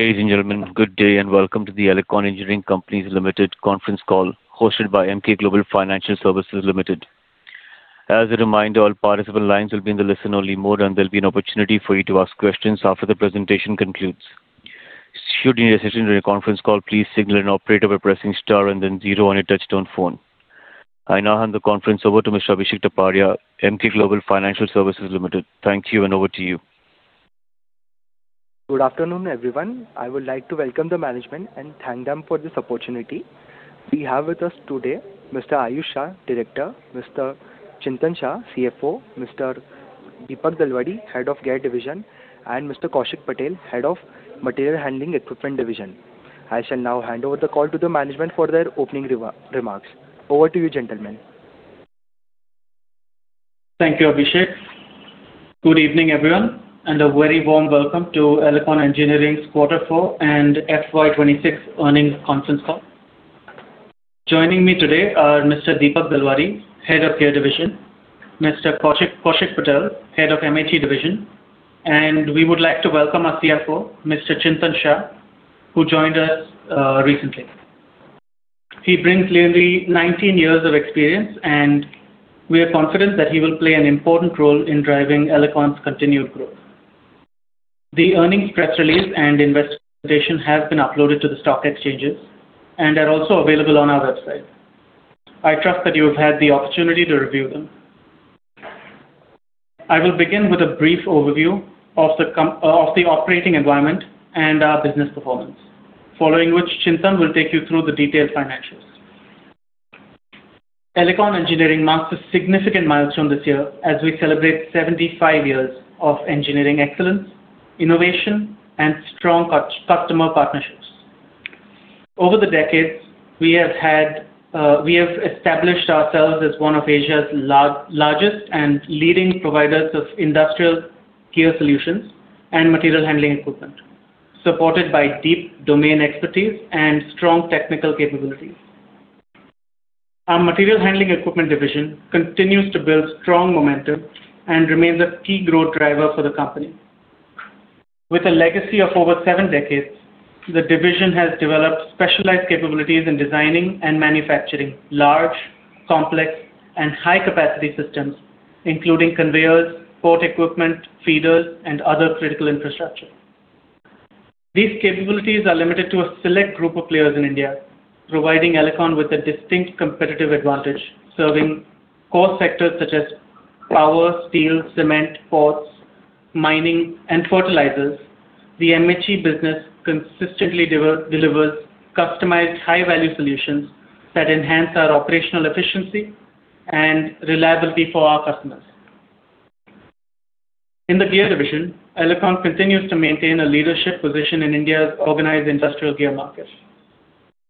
Ladies and gentlemen, good day and welcome to the Elecon Engineering Company Limited conference call hosted by Emkay Global Financial Services Limited. As a reminder, all participant lines will be in the listen-only mode, and there'll be an opportunity for you to ask questions after the presentation concludes. Should you need assistance during the conference call, please signal an operator by pressing star and then zero on your touchtone phone. I now hand the conference over to Mr. Abhishek Taparia, Emkay Global Financial Services Limited. Thank you, and over to you. Good afternoon, everyone. I would like to welcome the management and thank them for this opportunity. We have with us today Mr. Aayush Shah, Director, Mr. Chintan Shah, CFO, Mr. Dipak Dalwadi, Head of Gear Division, and Mr. Kaushik Patel, Head of Material Handling Equipment Division. I shall now hand over the call to the management for their opening remarks. Over to you, gentlemen. Thank you, Abhishek. Good evening, everyone, and a very warm welcome to Elecon Engineering's quarter four and FY 2026 earnings conference call. Joining me today are Mr. Dipak Dalwadi, Head of Gear Division, Mr. Kaushik Patel, Head of MHE Division, and we would like to welcome our CFO, Mr. Chintan Shah, who joined us recently. He brings nearly 19 years of experience, and we are confident that he will play an important role in driving Elecon's continued growth. The earnings press release and investor presentation have been uploaded to the stock exchanges and are also available on our website. I trust that you have had the opportunity to review them. I will begin with a brief overview of the operating environment and our business performance. Following which, Chintan will take you through the detailed financials. Elecon Engineering marks a significant milestone this year as we celebrate 75 years of engineering excellence, innovation, and strong customer partnerships. Over the decades, we have established ourselves as one of Asia's largest and leading providers of industrial gear solutions and material handling equipment, supported by deep domain expertise and strong technical capabilities. Our Material Handling Equipment division continues to build strong momentum and remains a key growth driver for the company. With a legacy of over seven decades, the division has developed specialized capabilities in designing and manufacturing large, complex, and high-capacity systems, including conveyors, port equipment, feeders, and other critical infrastructure. These capabilities are limited to a select group of players in India, providing Elecon with a distinct competitive advantage, serving core sectors such as power, steel, cement, ports, mining, and fertilizers. The MHE business consistently delivers customized high-value solutions that enhance our operational efficiency and reliability for our customers. In the Gear Division, Elecon continues to maintain a leadership position in India's organized industrial gear market.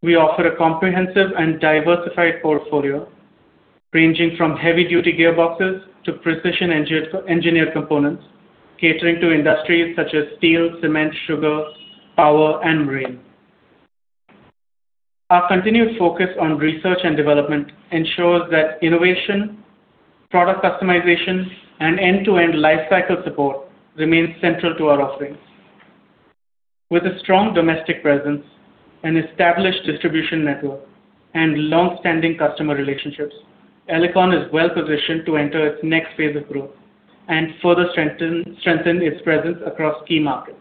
We offer a comprehensive and diversified portfolio ranging from heavy-duty gearboxes to precision engineered components, catering to industries such as steel, cement, sugar, power, and marine. Our continued focus on research and development ensures that innovation, product customization, and end-to-end lifecycle support remains central to our offerings. With a strong domestic presence, an established distribution network, and long-standing customer relationships, Elecon is well-positioned to enter its next phase of growth and further strengthen its presence across key markets,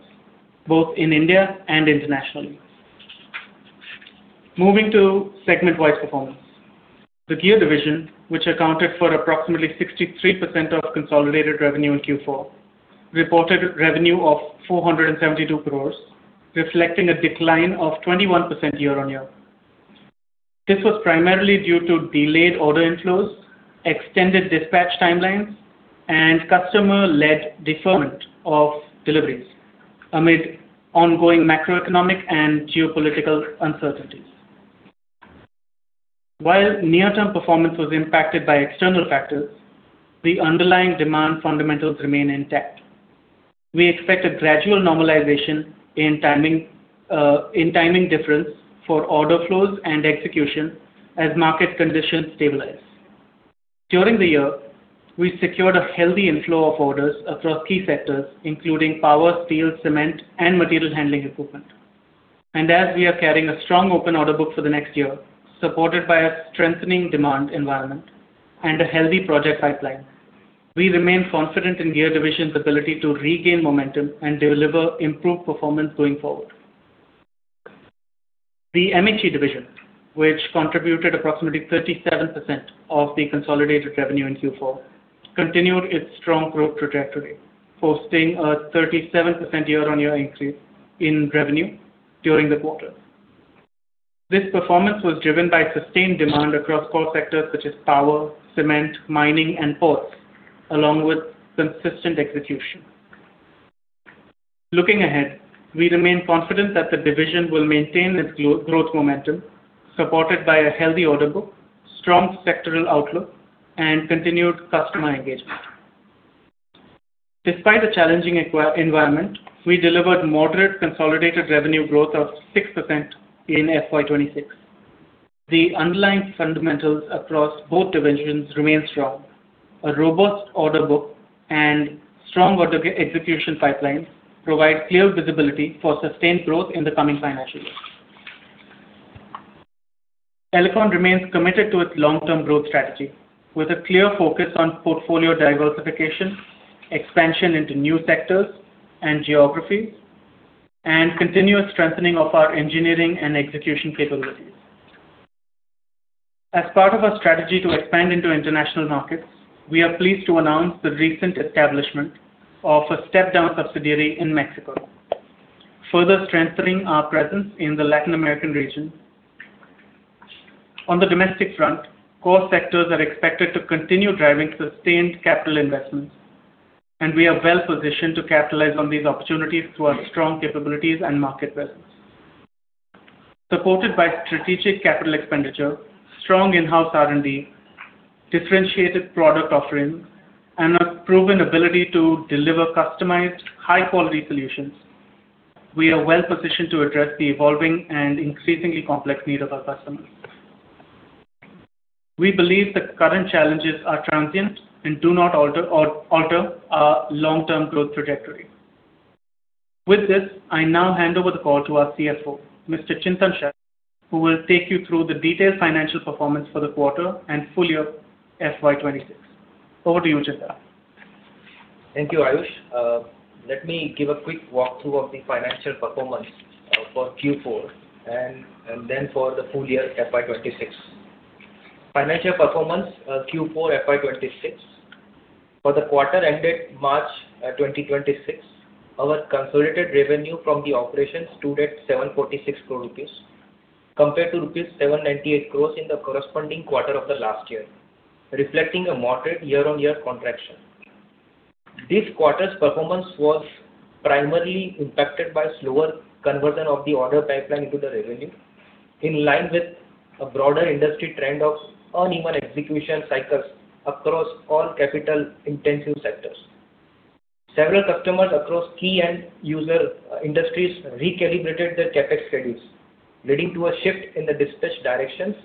both in India and internationally. Moving to segment-wide performance. The Gear Division, which accounted for approximately 63% of consolidated revenue in Q4, reported revenue of 472 crore, reflecting a decline of 21% year-over-year. This was primarily due to delayed order inflows, extended dispatch timelines, and customer-led deferment of deliveries amid ongoing macroeconomic and geopolitical uncertainties. While near-term performance was impacted by external factors, the underlying demand fundamentals remain intact. We expect a gradual normalization in timing difference for order flows and execution as market conditions stabilize. During the year, we secured a healthy inflow of orders across key sectors including power, steel, cement, and material handling equipment. As we are carrying a strong open order book for the next year, supported by a strengthening demand environment and a healthy project pipeline, we remain confident in Gears division's ability to regain momentum and deliver improved performance going forward. The MHE division, which contributed approximately 37% of the consolidated revenue in Q4, continued its strong growth trajectory, posting a 37% year-on-year increase in revenue during the quarter. This performance was driven by sustained demand across core sectors such as power, cement, mining, and ports, along with consistent execution. Looking ahead, we remain confident that the division will maintain its growth momentum, supported by a healthy order book, strong sectoral outlook, and continued customer engagement. Despite a challenging environment, we delivered moderate consolidated revenue growth of 6% in FY 2026. The underlying fundamentals across both divisions remain strong. A robust order book and strong order execution pipeline provide clear visibility for sustained growth in the coming financial year. Elecon remains committed to its long-term growth strategy, with a clear focus on portfolio diversification, expansion into new sectors and geographies, and continuous strengthening of our engineering and execution capabilities. As part of our strategy to expand into international markets, we are pleased to announce the recent establishment of a step-down subsidiary in Mexico, further strengthening our presence in the Latin American region. On the domestic front, core sectors are expected to continue driving sustained capital investments, and we are well positioned to capitalize on these opportunities through our strong capabilities and market presence. Supported by strategic capital expenditure, strong in-house R&D, differentiated product offerings, and a proven ability to deliver customized, high-quality solutions, we are well positioned to address the evolving and increasingly complex needs of our customers. We believe the current challenges are transient and do not alter our long-term growth trajectory. With this, I now hand over the call to our CFO, Mr. Chintan Shah, who will take you through the detailed financial performance for the quarter and full year FY 2026. Over to you, Chintan. Thank you, Aayush. Let me give a quick walkthrough of the financial performance for Q4 and then for the full year FY 2026. Financial performance Q4 FY 2026. For the quarter ended March 2026, our consolidated revenue from the operations stood at 746 crores rupees, compared to rupees 798 crores in the corresponding quarter of the last year, reflecting a moderate year-on-year contraction. This quarter's performance was primarily impacted by slower conversion of the order pipeline into the revenue. In line with a broader industry trend of uneven execution cycles across all capital-intensive sectors. Several customers across key end user industries recalibrated their CapEx schedules, leading to a shift in the dispatch directions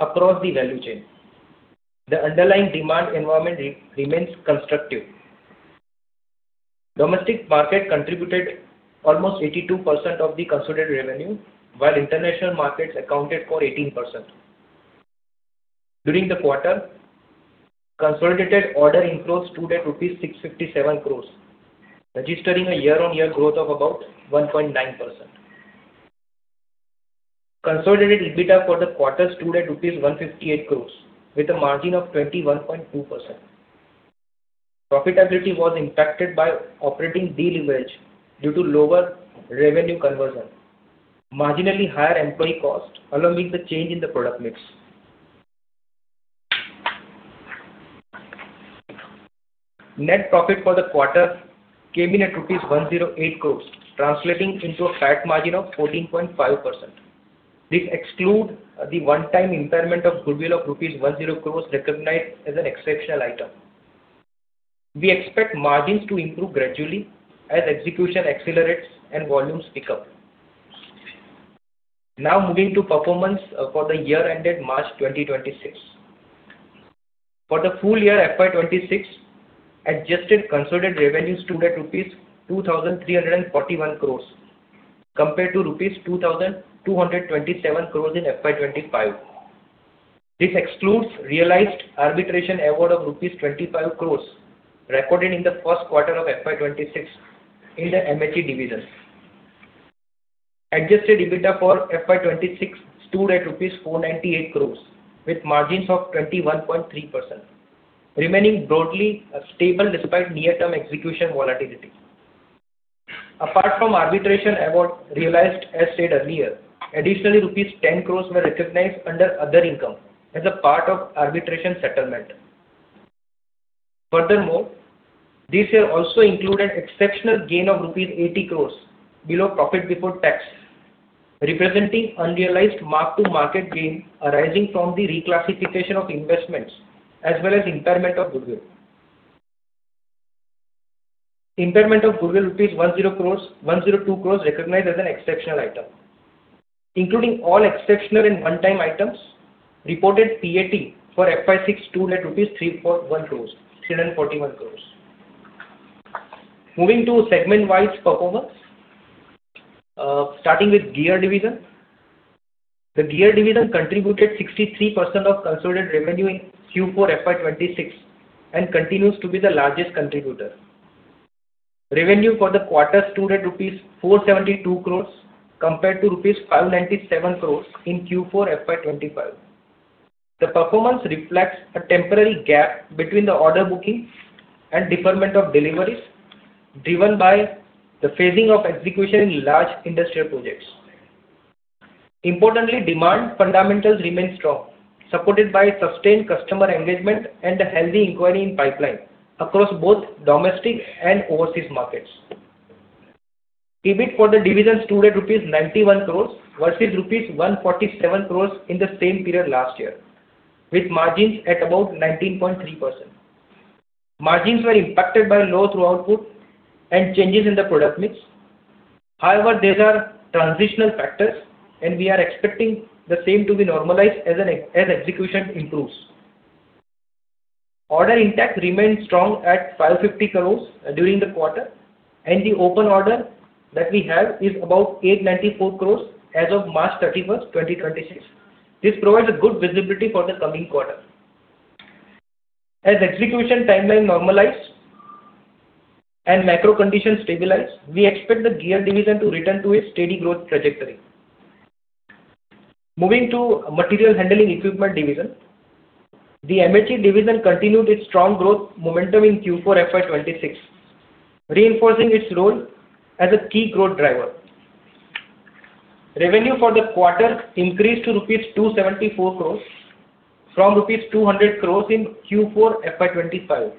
across the value chain. The underlying demand environment remains constructive. Domestic market contributed almost 82% of the consolidated revenue, while international markets accounted for 18%. During the quarter, consolidated order inflows stood at rupees 657 crores, registering a year-on-year growth of about 1.9%. Consolidated EBITDA for the quarter stood at 158 crores rupees with a margin of 21.2%. Profitability was impacted by operating deleverage due to lower revenue conversion, marginally higher employee cost, along with the change in the product mix. Net profit for the quarter came in at rupees 108 crores, translating into a PAT margin of 14.5%. This excludes the one-time impairment of goodwill of rupees 108 crores recognized as an exceptional item. We expect margins to improve gradually as execution accelerates and volumes pick up. Now moving to performance for the year ended March 2026. For the full year FY 2026, adjusted consolidated revenue stood at rupees 2,341 crores compared to rupees 2,227 crores in FY 2025. This excludes realized arbitration award of rupees 25 crores recorded in the first quarter of FY 2026 in the MHE division. Adjusted EBITDA for FY 2026 stood at INR 498 crores with margins of 21.3%, remaining broadly stable despite near-term execution volatility. Apart from arbitration award realized, as stated earlier, additional rupees 10 crores were recognized under other income as a part of arbitration settlement. Furthermore, this year also included exceptional gain of rupees 80 crores below profit before tax, representing unrealized mark-to-market gain arising from the reclassification of investments, as well as impairment of goodwill of 102 crores recognized as an exceptional item. Including all exceptional and one-time items, reported PAT for FY 2026 stood at INR 341 crores. Moving to segment-wise performance. Starting with Gear Division. The Gear Division contributed 63% of consolidated revenue in Q4 FY 2026 and continues to be the largest contributor. Revenue for the quarter stood at rupees 472 crores compared to rupees 597 crores in Q4 FY 2025. The performance reflects a temporary gap between the order bookings and deferment of deliveries driven by the phasing of execution in large industrial projects. Importantly, demand fundamentals remain strong, supported by sustained customer engagement and a healthy inquiry pipeline across both domestic and overseas markets. EBIT for the division stood at rupees 91 crores versus rupees 147 crores in the same period last year, with margins at about 19.3%. Margins were impacted by low throughput and changes in the product mix. However, these are transitional factors, and we are expecting the same to be normalized as execution improves. Order intake remained strong at 550 crores during the quarter, and the open order book that we have is about 894 crores as of March 31st, 2026. This provides a good visibility for the coming quarter. As execution timeline normalize and macro conditions stabilize, we expect the gear division to return to a steady growth trajectory. Moving to material handling equipment division. The MHE division continued its strong growth momentum in Q4 FY 2026, reinforcing its role as a key growth driver. Revenue for the quarter increased to rupees 274 crore from rupees 200 crore in Q4 FY 2025,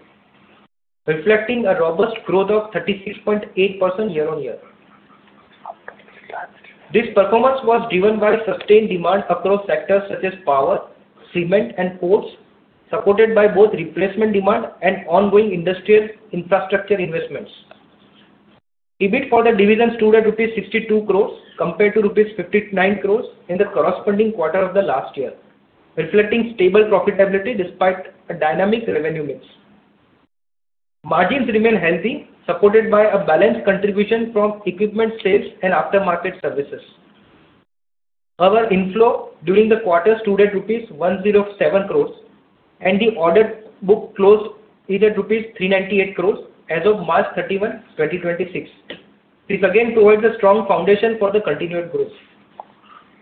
reflecting a robust growth of 36.8% year-on-year. This performance was driven by sustained demand across sectors such as power, cement, and ports, supported by both replacement demand and ongoing industrial infrastructure investments. EBIT for the division stood at rupees 62 crore compared to rupees 59 crore in the corresponding quarter of the last year, reflecting stable profitability despite a dynamic revenue mix. Margins remain healthy, supported by a balanced contribution from equipment sales and aftermarket services. Our inflow during the quarter stood at rupees 107 crores, and the order book closed at rupees 398 crores as of March 31st, 2026. This again towards a strong foundation for the continued growth.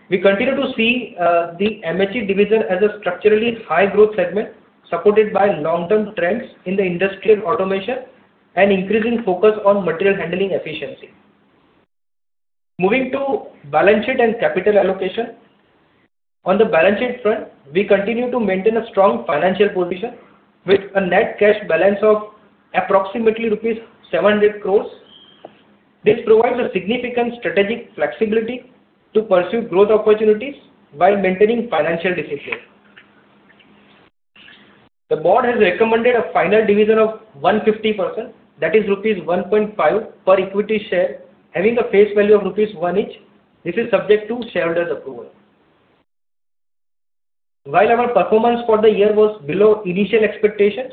We continue to see the MHE division as a structurally high growth segment, supported by long-term trends in the industrial automation and increasing focus on material handling efficiency. Moving to balance sheet and capital allocation. On the balance sheet front, we continue to maintain a strong financial position with a net cash balance of approximately rupees 700 crores. This provides a significant strategic flexibility to pursue growth opportunities while maintaining financial discipline. The Board has recommended a final dividend of 150%, that is rupees 1.5 per equity share, having a face value of rupees 1 each. This is subject to shareholders' approval. While our performance for the year was below initial expectations,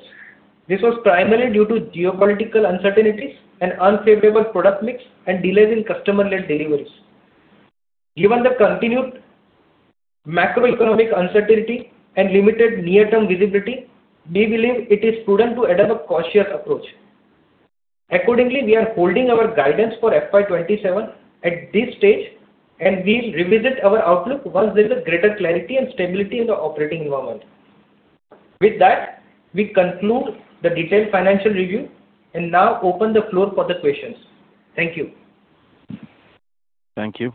this was primarily due to geopolitical uncertainties and unfavorable product mix and delays in customer lead deliveries. Given the continued macroeconomic uncertainty and limited near-term visibility, we believe it is prudent to adopt a cautious approach. Accordingly, we are holding our guidance for FY 2027 at this stage, and we'll revisit our outlook once there's a greater clarity and stability in the operating environment. With that, we conclude the detailed financial review and now open the floor for the questions. Thank you. Thank you.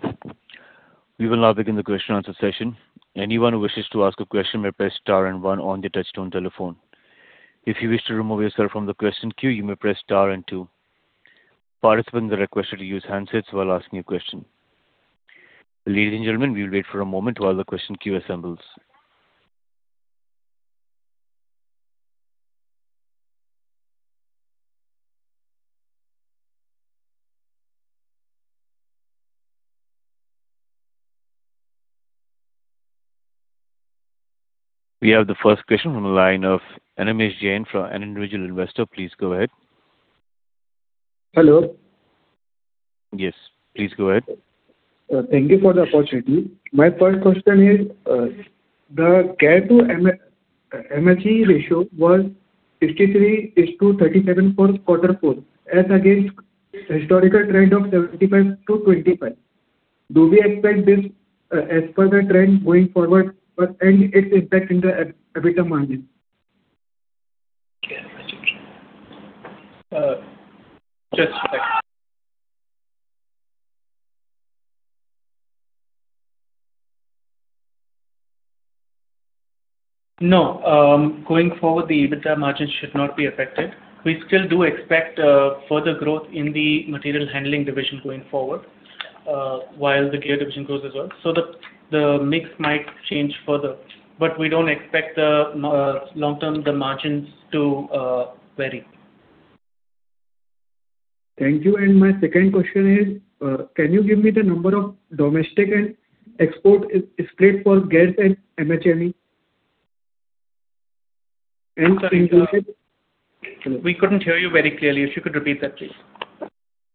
We will now begin the question answer session. Anyone who wishes to ask a question may press star and one on their touchtone telephone. If you wish to remove yourself from the question queue, you may press star and two. Participants are requested to use handsets while asking a question. Ladies and gentlemen, we'll wait for a moment while the question queue assembles. We have the first question from the line of Animesh Jain from Individual Investor. Please go ahead. Hello. Yes. Please go ahead. Thank you for the opportunity. My first question is, the Gears to MHE ratio was 53-37 for quarter four, as against historical trend of 75-25. Do we expect this as the trend going forward and its impact on the EBITDA margin? Just a second. No. Going forward, the EBITDA margins should not be affected. We still do expect further growth in the material handling division going forward, while the gear division grows as well. The mix might change further. We don't expect long-term the margins to vary. Thank you. My second question is, can you give me the number of domestic and export split for Gears and MHE? Sorry. We couldn't hear you very clearly. If you could repeat that, please.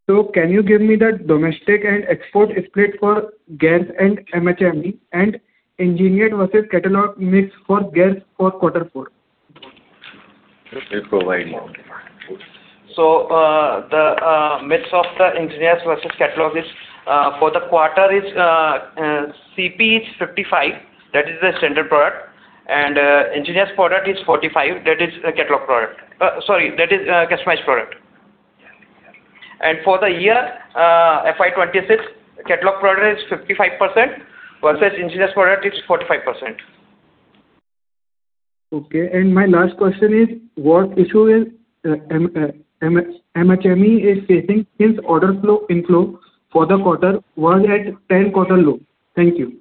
Can you give me the domestic and export split for Gears and MHE, and engineered versus catalog mix for Gears for quarter four? We'll provide more details. The mix of the Engineered versus Catalog for the quarter is, CP is 55%, that is the standard product. Engineered product is 45%, that is a customized product. For the year, FY 2026, Catalog product is 55% versus Engineered product is 45%. Okay. My last question is, what issue is MHE facing since order inflow for the quarter was at 10-quarter low? Thank you.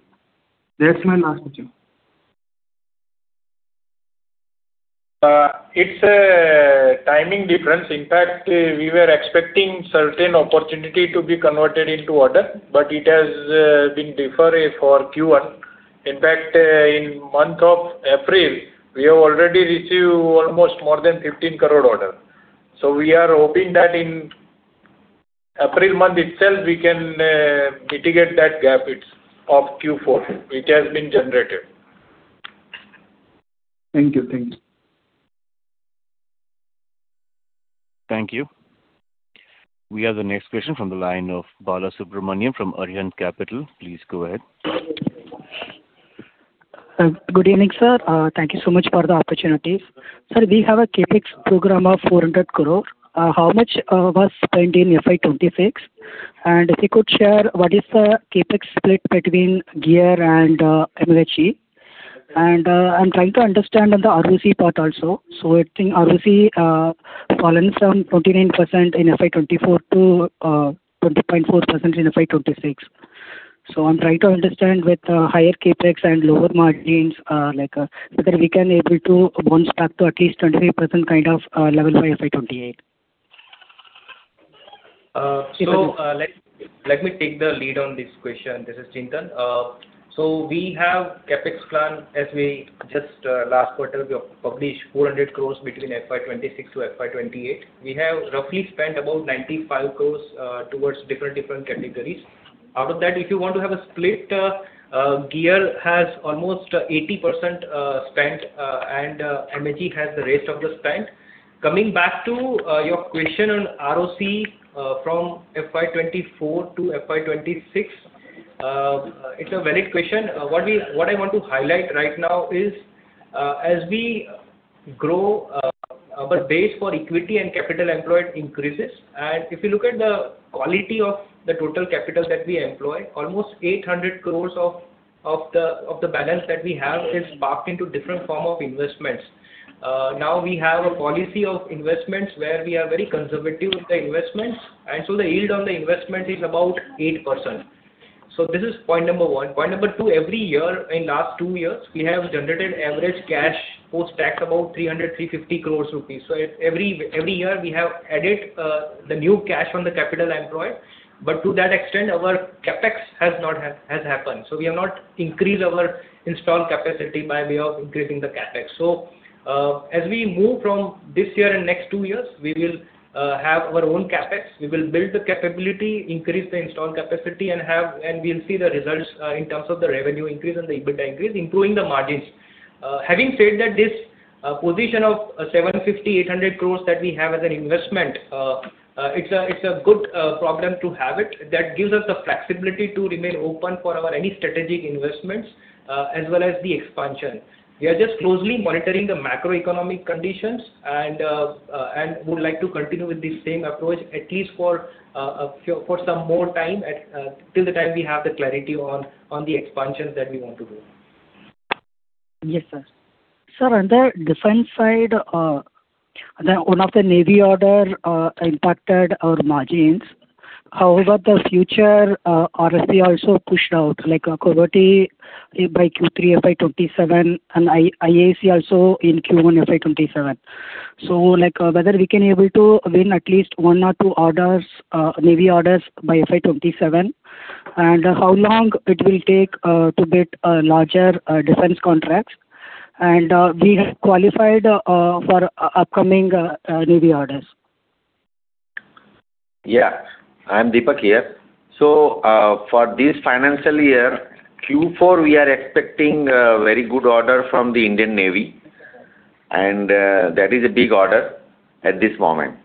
That's my last question. It's a timing difference. In fact, we were expecting certain opportunity to be converted into order, but it has been deferred for Q1. In fact, in month of April, we have already received almost more than 15 crore order. We are hoping that in April month itself, we can mitigate that gap of Q4, which has been generated. Thank you. Thank you. We have the next question from the line of Balasubramanian from Arihant Capital. Please go ahead. Good evening, sir. Thank you so much for the opportunity. Sir, we have a CapEx program of 400 crore. How much was spent in FY 2026? If you could share what is the CapEx split between gear and MHE. I'm trying to understand on the ROC part also. I think ROC fallen from 29% in FY 2024 to 20.4% in FY 2026. I'm trying to understand with higher CapEx and lower margins, whether we can able to bounce back to at least 23% kind of level by FY 2028. Let me take the lead on this question. This is Chintan Shah. We have CapEx plan, as we just last quarter we published 400 crores between FY 2026-FY 2028. We have roughly spent about 95 crores towards different categories. Out of that, if you want to have a split, Gears has almost 80% spent, and MHE has the rest of the spend. Coming back to your question on ROC from FY 2024-FY 2026, it's a valid question. What I want to highlight right now is, as we grow, our base for equity and capital employed increases. And if you look at the quality of the total capital that we employ, almost 800 crores of the balance that we have is parked into different form of investments. Now we have a policy of investments where we are very conservative with the investments, and so the yield on the investment is about 8%. This is point number one. Point number two, every year in last two years, we have generated average cash post tax about 300-350 crore rupees. Every year we have added the new cash from the capital employed. To that extent, our CapEx has happened. We have not increased our installed capacity by way of increasing the CapEx. As we move from this year and next two years, we will have our own CapEx. We will build the capability, increase the installed capacity, and we'll see the results in terms of the revenue increase and the EBITDA increase, improving the margins. Having said that, this position of 750 crore-800 crore that we have as an investment, it's a good problem to have it. That gives us the flexibility to remain open for any strategic investments, as well as the expansion. We are just closely monitoring the macroeconomic conditions and would like to continue with the same approach, at least for some more time, till the time we have the clarity on the expansions that we want to do. Yes, sir. Sir, on the defense side, one of the Navy order impacted our margins. However, the future RFP also pushed out, like a Corvette by Q3 FY 2027 and IAC also in Q1 FY 2027. Whether we can able to win at least one or two orders, Navy orders by FY 2027, and how long it will take to get larger defense contracts. We have qualified for upcoming Navy orders? Yeah. I'm Dipak here. For this financial year, Q4, we are expecting a very good order from the Indian Navy, and that is a big order at this moment.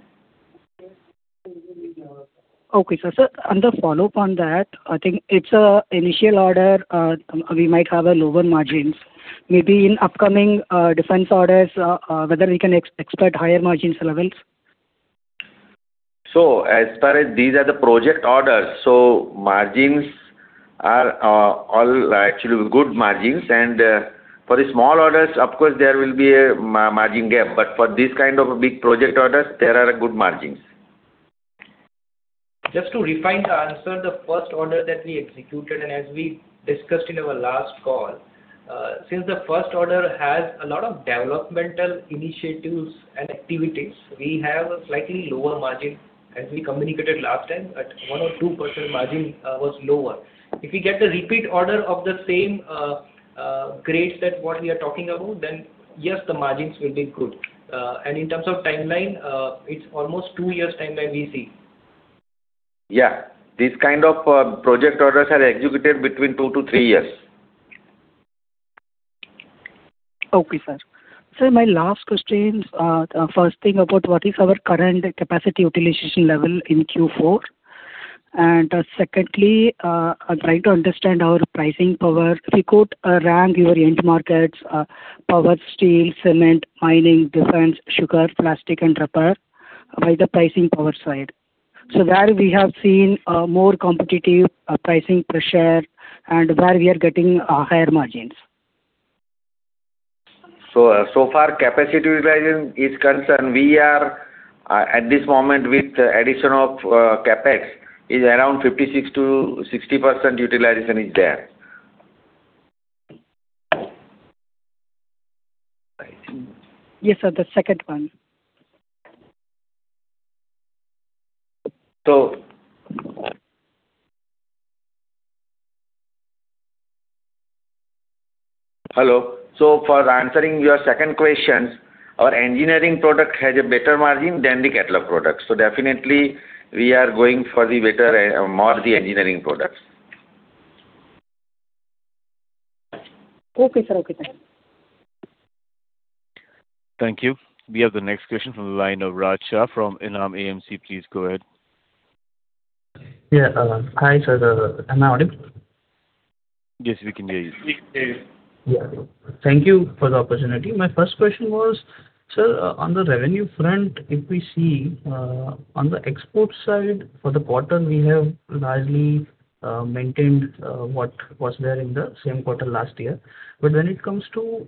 Okay, sir. Sir, on the follow-up on that, I think it's initial order, we might have a lower margins. Maybe in upcoming defense orders, whether we can expect higher margins levels? As far as these are the project orders, so margins are all actually good margins. For the small orders, of course there will be a margin gap, but for this kind of a big project orders, there are good margins. Just to refine the answer, the first order that we executed, and as we discussed in our last call. Since the first order has a lot of developmental initiatives and activities, we have a slightly lower margin. As we communicated last time, at 1% or 2% margin was lower. If we get the repeat order of the same grades than what we are talking about, then yes, the margins will be good. In terms of timeline, it's almost two years timeline we see. Yeah. This kind of project orders are executed between two to three years. Okay, sir. Sir, my last questions are, first thing about what is our current capacity utilization level in Q4? Secondly, I'm trying to understand our pricing power. If you could rank your end markets, power, steel, cement, mining, defense, sugar, plastic, and rubber by the pricing power side. Where we have seen a more competitive pricing pressure and where we are getting higher margins. As far as capacity utilization is concerned, we are at this moment with addition of CapEx around 56%-60% utilization. Yes, sir. The second one. Hello. For answering your second question, our engineering product has a better margin than the catalog product. Definitely we are going for more the engineering products. Okay, sir. Thank you. We have the next question from the line of Raj Shah from Enam AMC. Please go ahead. Yeah. Hi, sir. Am I audible? Yes, we can hear you. Yeah. Thank you for the opportunity. My first question was, sir, on the revenue front, if we see on the export side for the quarter, we have largely maintained what was there in the same quarter last year. When it comes to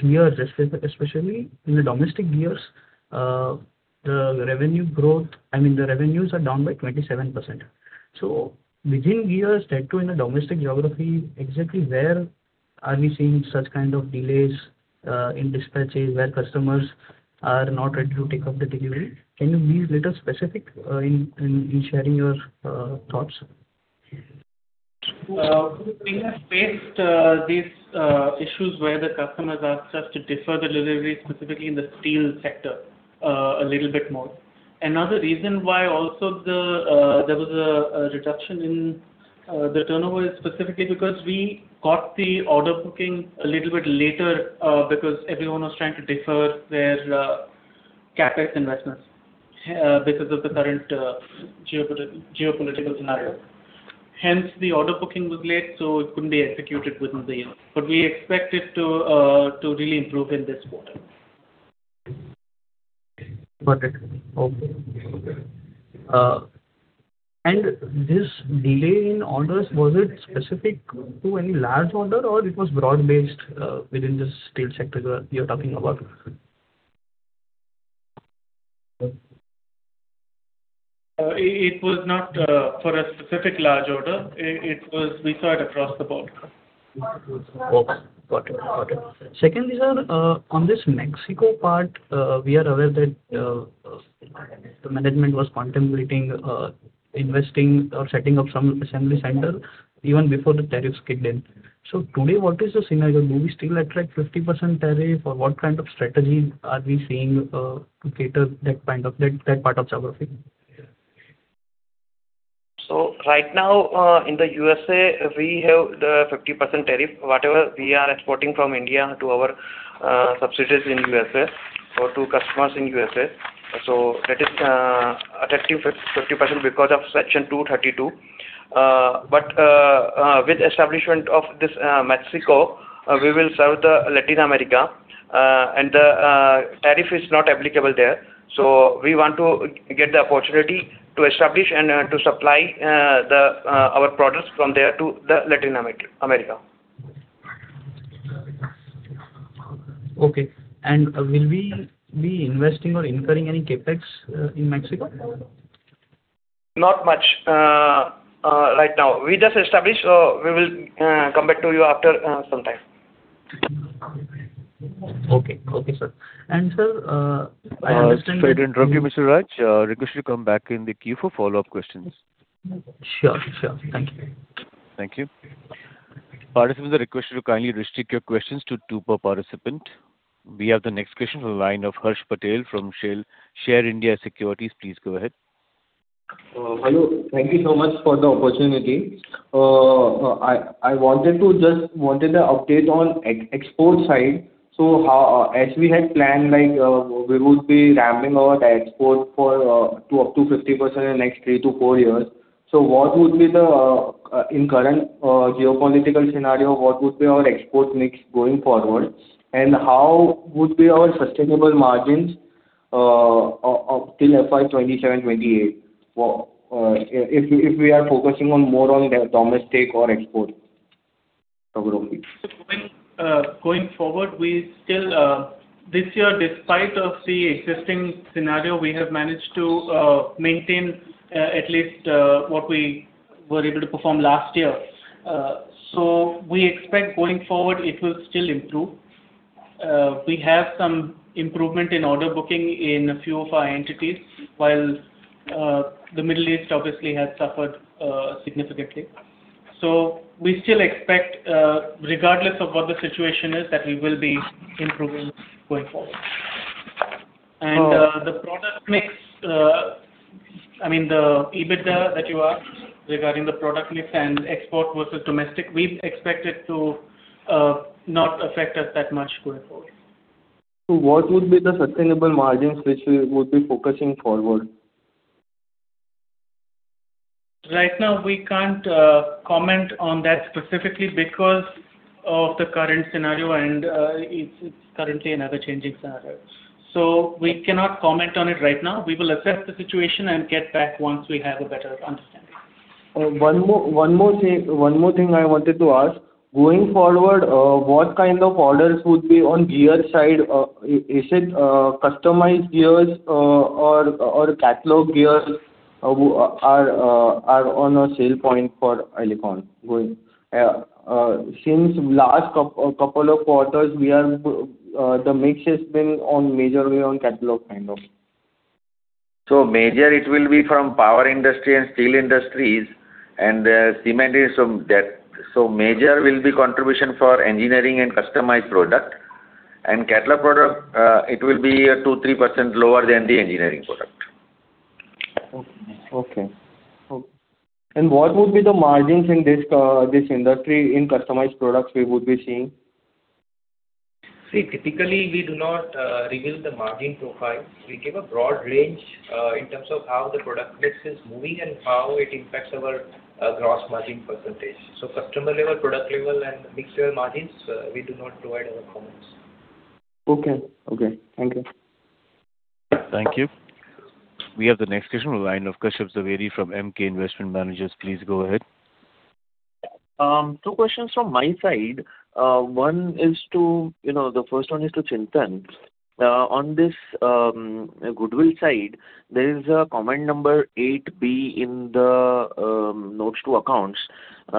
gears, especially in the domestic gears, the revenues are down by 27%. Within gears, Elecon in a domestic geography, exactly where are we seeing such kind of delays in dispatches where customers are not ready to take up the delivery? Can you be a little specific in sharing your thoughts? We have faced these issues where the customers asked us to defer the delivery, specifically in the steel sector, a little bit more. Another reason why also there was a reduction in the turnover is specifically because we got the order booking a little bit later, because everyone was trying to defer their CapEx investments because of the current geopolitical scenario. Hence, the order booking was late, so it couldn't be executed within the year. We expect it to really improve in this quarter. Got it. Okay. This delay in orders, was it specific to any large order or it was broad-based within the steel sector you're talking about? It was not for a specific large order. We saw it across the board. Okay. Got it. Second is on this Mexico part, we are aware that the management was contemplating investing or setting up some assembly center even before the tariffs kicked in. Today, what is the scenario? Do we still attract 50% tariff? Or what kind of strategy are we seeing to cater that part of geography? Right now, in the USA, we have the 50% tariff. Whatever we are exporting from India to our subsidiaries in USA or to customers in USA, that is attracting 50% because of Section 232. With establishment of this Mexico, we will serve the Latin America, and the tariff is not applicable there. We want to get the opportunity to establish and to supply our products from there to the Latin America. Okay. Will we be investing or incurring any CapEx in Mexico? Not much right now. We just established, so we will come back to you after some time. Okay, sir. Sir, I understand. Sorry to interrupt you, Mr. Raj. Request you to come back in the queue for follow-up questions. Sure. Thank you. Thank you. Participants are requested to kindly restrict your questions to two per participant. We have the next question from the line of Harsh Patel from Share India Securities. Please go ahead. Hello. Thank you so much for the opportunity. I just wanted the update on export side. As we had planned, we would be ramping our export to up to 50% in next three to four years. In current geopolitical scenario, what would be our export mix going forward? How would be our sustainable margins up till FY 2027, 2028, if we are focusing more on domestic or export? Going forward, this year despite of the existing scenario, we have managed to maintain at least what we were able to perform last year. We expect going forward it will still improve. We have some improvement in order booking in a few of our entities, while the Middle East obviously has suffered significantly. We still expect, regardless of what the situation is, that we will be improving going forward. The EBITDA that you asked regarding the product mix and export versus domestic, we expect it to not affect us that much going forward. What would be the sustainable margins which we would be focusing forward? Right now we can't comment on that specifically because of the current scenario, and it's currently an ever-changing scenario. We cannot comment on it right now. We will assess the situation and get back once we have a better understanding. One more thing I wanted to ask. Going forward, what kind of orders would be on gear side? Is it customized gears or catalog gears are on a selling point for Elecon? Since last couple of quarters, the mix has been majorly on catalog kind. Majority it will be from power industry and steel industries and cement is from that. Majority will be contribution for engineering and customized product. Catalog product, it will be 2%-3% lower than the engineering product. Okay. What would be the margins in this industry in customized products we would be seeing? See, typically we do not reveal the margin profile. We give a broad range in terms of how the product mix is moving and how it impacts our gross margin percentage. Customer level, product level, and mix level margins, we do not provide our comments. Okay. Thank you. Thank you. We have the next question in line of Kashyap Javeri from Emkay Investment Managers. Please go ahead. Two questions from my side. The first one is to Chintan. On this goodwill side, there is a comment number 8B in the notes to accounts.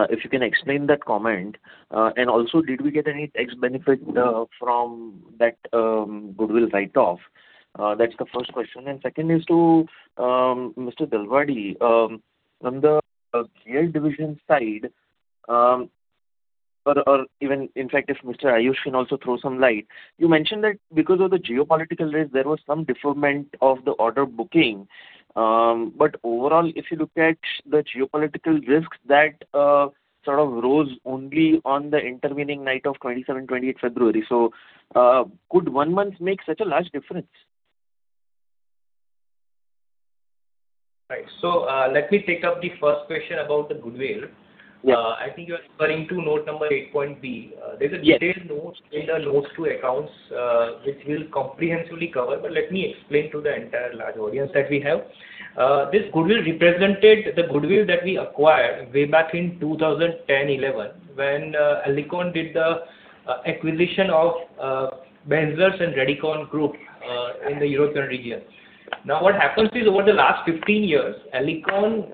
If you can explain that comment, and also did we get any tax benefit from that goodwill write-off? That's the first question. And second is to Mr. Dalwadi. On the gear division side, or even, in fact, if Mr. Aayush can also throw some light. You mentioned that because of the geopolitical risk, there was some deferment of the order booking. Overall, if you look at the geopolitical risks that sort of rose only on the intervening night of February 27-28. Could one month make such a large difference? Right. Let me take up the first question about the goodwill. Yeah. I think you're referring to note number 8.B. Yes. There's a detailed note in the notes to accounts, which we'll comprehensively cover. Let me explain to the entire large audience that we have. This goodwill represented the goodwill that we acquired way back in 2010, 2011, when Elecon did the acquisition of Benzlers and Radicon Group in the European region. Now, what happens is over the last 15 years, Elecon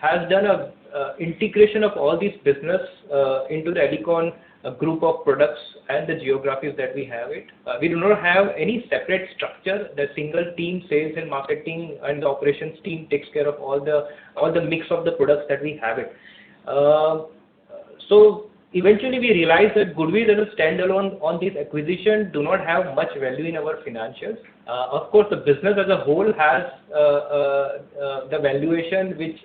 has done an integration of all these business into the Elecon group of products and the geographies that we have it. We do not have any separate structure. The single team, sales and marketing, and the operations team takes care of all the mix of the products that we have it. Eventually, we realized that goodwill as a standalone on this acquisition do not have much value in our financials. Of course, the business as a whole has the valuation, which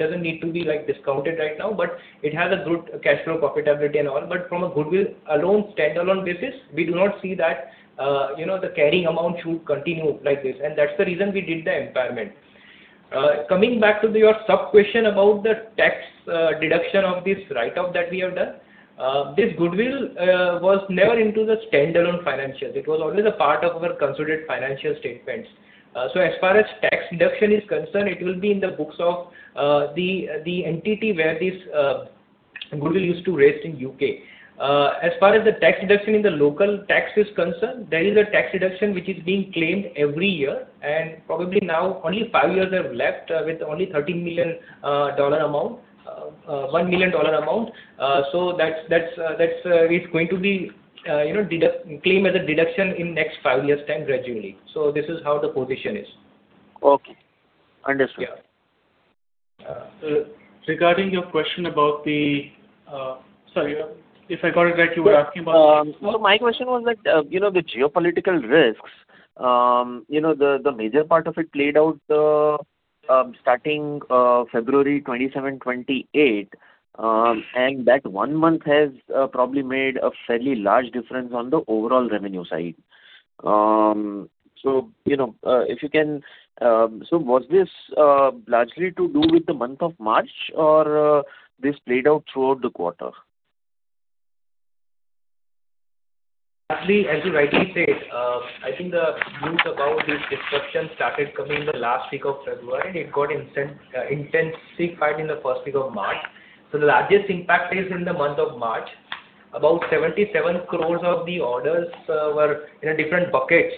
doesn't need to be discounted right now, but it has a good cash flow profitability and all. From a goodwill alone, standalone basis, we do not see that the carrying amount should continue like this, and that's the reason we did the impairment. Coming back to your sub-question about the tax deduction of this write-off that we have done. This goodwill was never into the standalone financials. It was always a part of our consolidated financial statements. As far as tax deduction is concerned, it will be in the books of the entity where this goodwill used to rest in U.K. As far as the tax deduction in the local tax is concerned, there is a tax deduction which is being claimed every year, and probably now only five years have left with only $1 million amount. It's going to be claimed as a deduction in next five years' time gradually. This is how the position is. Okay. Understood. Yeah. Sorry, if I got it right, you were asking about No, my question was that the geopolitical risks, the major part of it played out starting February 27, 28, and that one month has probably made a fairly large difference on the overall revenue side. Was this largely to do with the month of March or this played out throughout the quarter? Actually, as you rightly said, I think the news about this disruption started coming the last week of February, and it got intensified in the first week of March. The largest impact is in the month of March. About 77 crore of the orders were in a different bucket,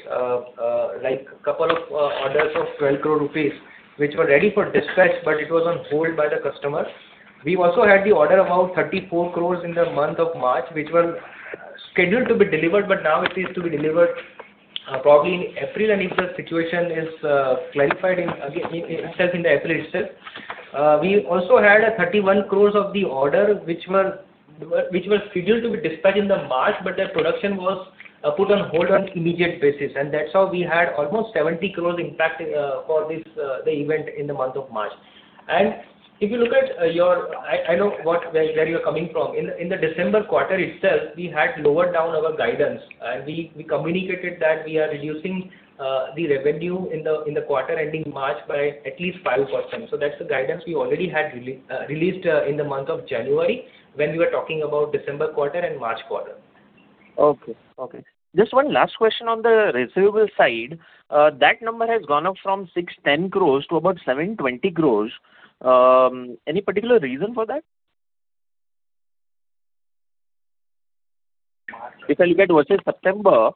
like couple of orders of 12 crore rupees, which were ready for dispatch, but it was on hold by the customer. We also had the order of about 34 crore in the month of March, which were scheduled to be delivered, but now it is to be delivered probably in April, unless the situation is clarified itself in the April itself. We also had 31 crore of the order which were scheduled to be dispatched in March, but their production was put on hold on immediate basis, and that's how we had almost 70 crore impact for the event in the month of March. I know where you're coming from. In the December quarter itself, we had lowered down our guidance, and we communicated that we are reducing the revenue in the quarter ending March by at least 5%. That's the guidance we already had released in the month of January when we were talking about December quarter and March quarter. Okay. Just one last question on the receivable side. That number has gone up from 610 crores to about 720 crores. Any particular reason for that? If I look at versus September,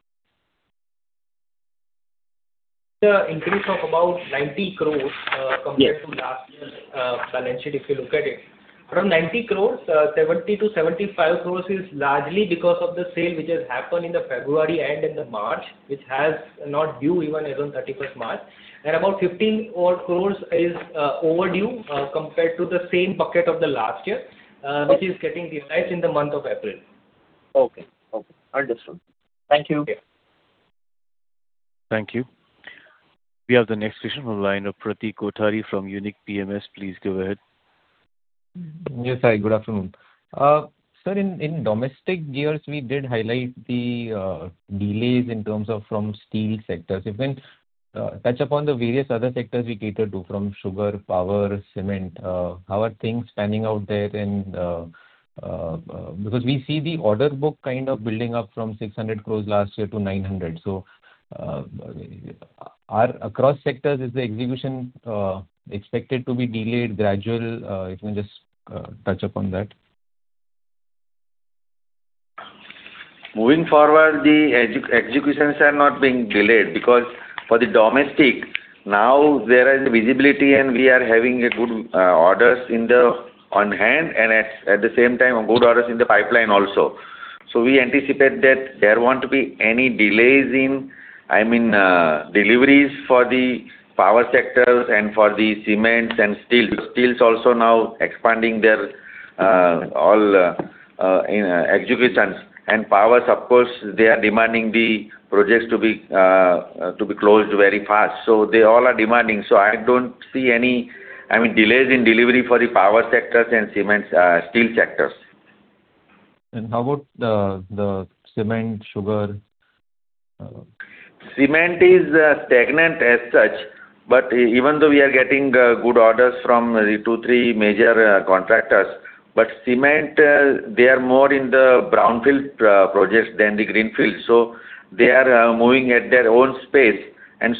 the increase of about 90 crore compared to last year's balance sheet, if you look at it. From 90 crore, 70 crore-75 crore is largely because of the sale which has happened in February and in March, which is not due even as on March 31st. About 15-odd crore is overdue compared to the same bucket of the last year, which is getting revised in the month of April. Okay. Understood. Thank you. Okay. Thank you. We have the next question on the line of Pratik Kothari from Unique Asset Management. Please go ahead. Yes. Hi, good afternoon. Sir, in domestic Gears, we did highlight the delays in terms of from steel sectors. If you can touch upon the various other sectors we cater to from sugar, power, cement. How are things panning out there? Because we see the order book kind of building up from 600 crore last year to 900 crore. Across sectors, is the execution expected to be delayed gradual? If you can just touch upon that. Moving forward, the executions are not being delayed because for the domestic, now there is visibility, and we are having good orders on hand and at the same time, good orders in the pipeline also. We anticipate that there won't be any delays in deliveries for the power sectors and for the cements and steel. Steel is also now expanding their executions. Power, of course, they are demanding the projects to be closed very fast. They all are demanding. I don't see any delays in delivery for the power sectors and steel sectors. How about the cement, sugar? Cement is stagnant as such. Even though we are getting good orders from two, three major contractors, but cement, they are more in the brownfield projects than the greenfield. They are moving at their own pace.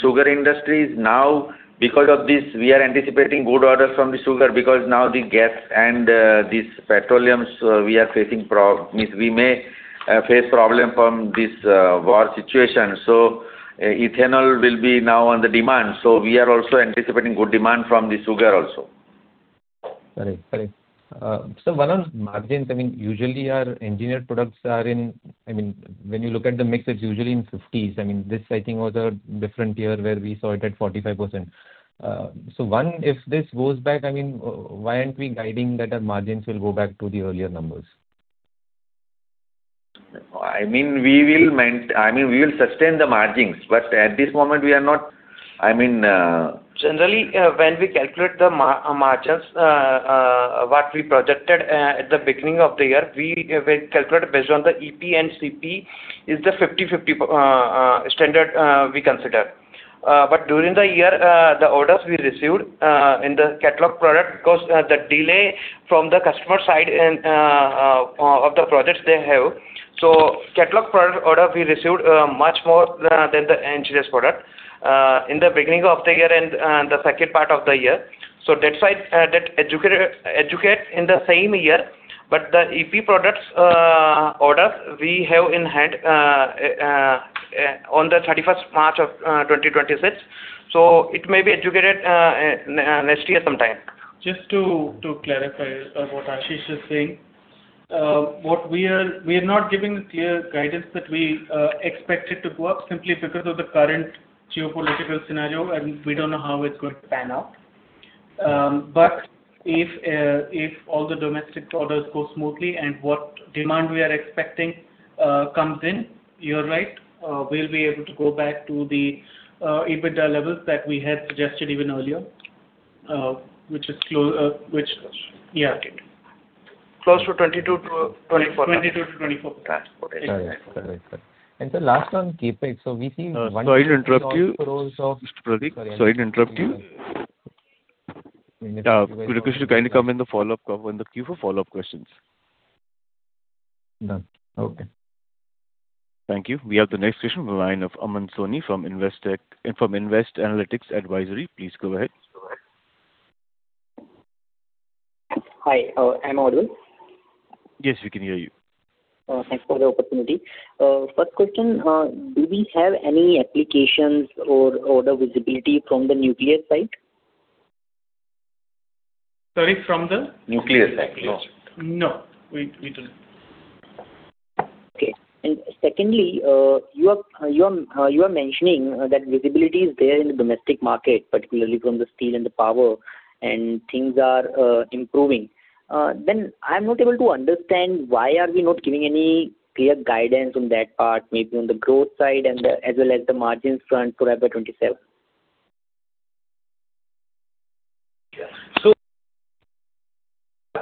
Sugar industry is now, because of this, we are anticipating good orders from the sugar because now the gas and these petroleum, we may face problem from this war situation. Ethanol will be now in demand. We are also anticipating good demand from the sugar also. Correct. Sir, one on margins. Usually, our engineered products are in, when you look at the mix, it's usually in 50s%. This, I think, was a different year where we saw it at 45%. One, if this goes back, why aren't we guiding that our margins will go back to the earlier numbers? We will sustain the margins, but at this moment, we are not. Generally, when we calculate the margins, what we projected at the beginning of the year, we calculate based on the EP and CP, is the 50/50 standard we consider. During the year, the orders we received in the catalog product, because the delay from the customer side of the projects they have. Catalog product order we received much more than the engineered product in the beginning of the year and the second part of the year. That's why they executed in the same year. The EP products order we have in hand on the March 31st of 2026, so it may be executed next year sometime. Just to clarify what [Shah] is saying. We are not giving a clear guidance that we expect it to go up simply because of the current geopolitical scenario, and we don't know how it's going to pan out. If all the domestic orders go smoothly and what demand we are expecting comes in, you're right, we'll be able to go back to the EBITDA levels that we had suggested even earlier, which is close. Close to 2022-2024. That's correct. Sir, last on CapEx. We see 150-odd crores of- Sorry to interrupt you, Mr. Pratik. Sorry to interrupt you. We request you to kindly come in the queue for follow-up questions. Done. Okay. Thank you. We have the next question on the line of Aman Soni from Nvest Analytics Advisory. Please go ahead. Hi. Am I audible? Yes, we can hear you. Thanks for the opportunity. First question, do we have any applications or order visibility from the nuclear side? Sorry, from the- Nuclear side. No. No, we don't. Okay. Secondly, you are mentioning that visibility is there in the domestic market, particularly from the steel and the power, and things are improving. I'm not able to understand why are we not giving any clear guidance on that part, maybe on the growth side and as well as the margins front for FY 2027? We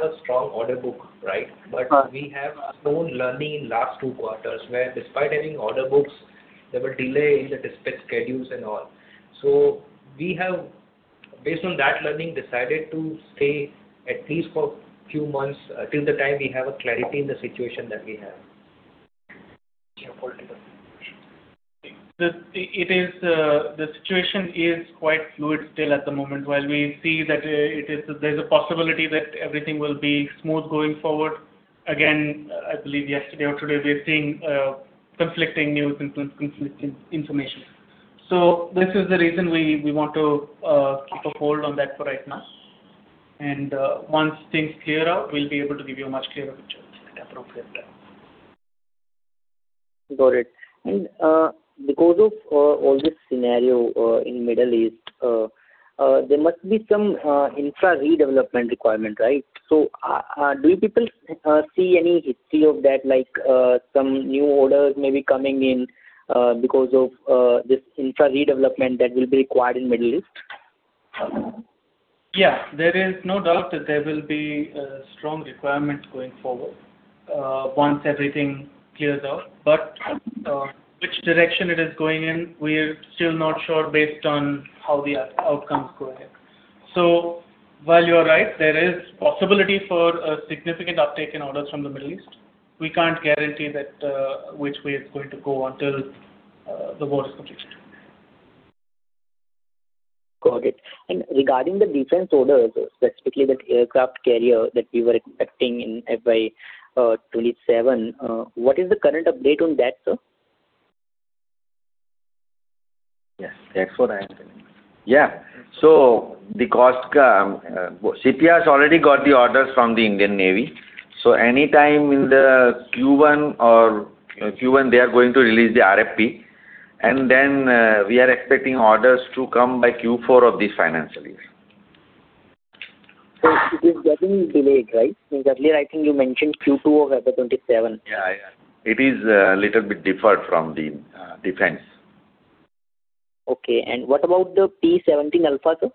have a strong order book, right? Right. We have slow earnings in last two quarters, where despite having order books, there were delays in the dispatch schedules and all. We have Based on that learning, we decided to stay at least for few months till the time we have a clarity in the situation that we have. Geopolitical situation. The situation is quite fluid still at the moment. While we see that there's a possibility that everything will be smooth going forward, again, I believe yesterday or today, we are seeing conflicting news, conflicting information. This is the reason we want to keep a hold on that for right now. Once things clear out, we'll be able to give you a much clearer picture at the appropriate time. Got it. Because of all this scenario in Middle East, there must be some infra redevelopment requirement, right? Do you people see any history of that, like some new orders may be coming in because of this infra redevelopment that will be required in Middle East? Yeah. There is no doubt that there will be a strong requirement going forward once everything clears out. Which direction it is going in, we are still not sure based on how the outcomes go ahead. While you are right, there is possibility for a significant uptake in orders from the Middle East, we can't guarantee that which way it's going to go until the war is completed. Got it. Regarding the defense orders, specifically that aircraft carrier that we were expecting in FY 2027, what is the current update on that, sir? Yes. That's what I am saying. Yeah. The [inaudible] has already got the orders from the Indian Navy. Anytime in the Q1 they are going to release the RFP, and then we are expecting orders to come by Q4 of this financial year. It is getting delayed, right? Because earlier I think you mentioned Q2 of FY 2027. Yeah. It is a little bit deferred from the defense. Okay. What about the P-17A, sir?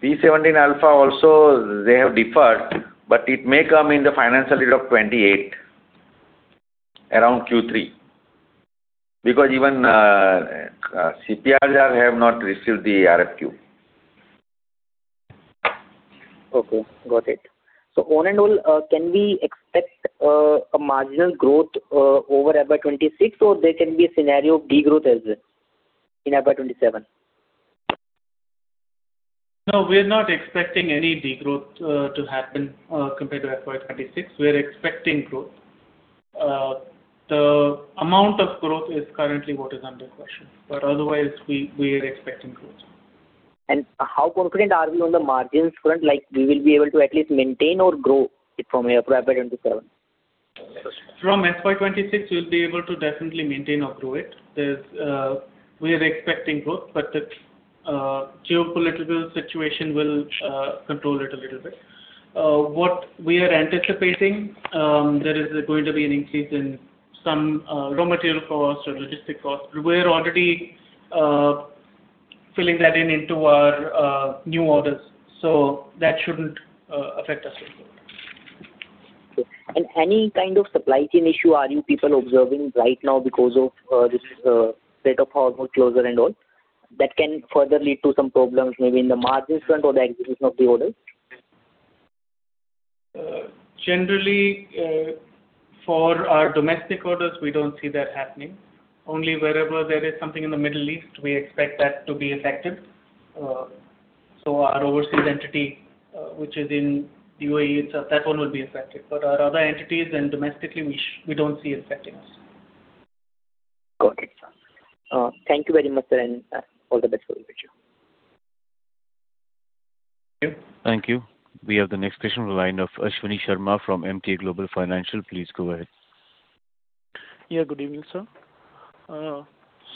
P-17A also, they have deferred, but it may come in FY 2028, around Q3. Because even GRSE have not received the RFQ. Okay, got it. All in all, can we expect a marginal growth over FY 2026, or there can be a scenario of degrowth as in FY 2027? No, we're not expecting any degrowth to happen compared to FY 2026. We're expecting growth. The amount of growth is currently what is under question, but otherwise, we are expecting growth. How confident are we on the margins front? Like we will be able to at least maintain or grow it from here to FY 2027? From FY 2026, we'll be able to definitely maintain or grow it. We are expecting growth, but the geopolitical situation will control it a little bit. What we are anticipating, there is going to be an increase in some raw material costs or logistics costs. We are already factoring that in to our new orders, so that shouldn't affect us at all. Okay. Any kind of supply chain issue are you people observing right now because of this breakup or closure and all, that can further lead to some problems maybe in the margins front or the execution of the orders? Generally, for our domestic orders, we don't see that happening. Only wherever there is something in the Middle East, we expect that to be affected. Our overseas entity, which is in UAE, that one will be affected. Our other entities and domestically, we don't see affecting us. Got it. Thank you very much, sir, and all the best for the future. Thank you. Thank you. We have the next question in line of Ashwani Sharma from Emkay Global Financial. Please go ahead. Yeah, good evening, sir.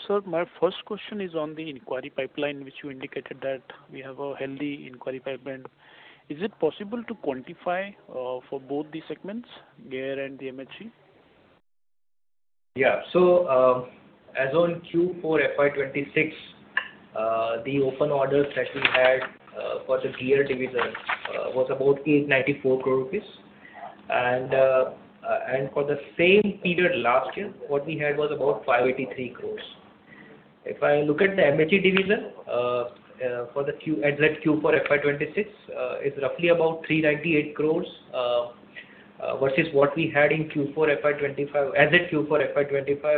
Sir, my first question is on the inquiry pipeline, which you indicated that we have a healthy inquiry pipeline. Is it possible to quantify for both the segments, Gears and the MHE? Yeah. As on Q4 FY 2026, the open orders that we had for the gear division was about 894 crore rupees. For the same period last year, what we had was about 583 crore. If I look at the MHE division, at Q4 FY 2026, it's roughly about 398 crore, versus what we had as at Q4 FY 2025,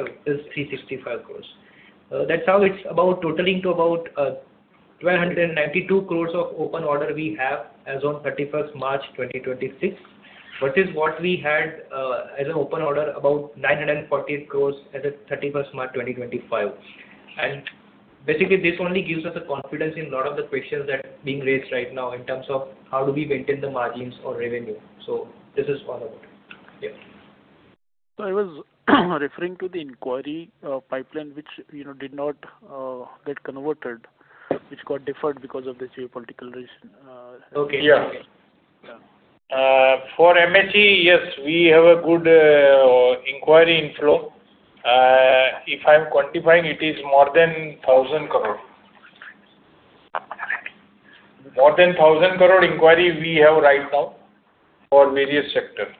which is 365 crore. That's how it's totaling to about 1,292 crore of open order we have as on March 31st, 2026. Versus what we had as an open order, about 948 crore as at March 31st, 2025. Basically, this only gives us the confidence in lot of the questions that being raised right now in terms of how do we maintain the margins or revenue. This is all about. Yeah. I was referring to the inquiry pipeline, which did not get converted, which got deferred because of the geopolitical reason. Okay. Yeah. For MHE, yes, we have a good inquiry inflow. If I'm quantifying, it is more than 1,000 crore. More than 1,000 crore inquiry we have right now for various sector.